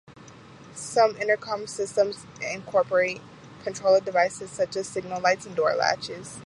Some intercom systems incorporate control of devices such as signal lights and door latches.